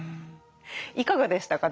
いかがでしたか？